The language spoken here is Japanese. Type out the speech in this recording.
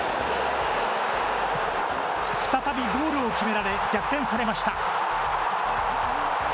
再びゴールを決められ、逆転されました。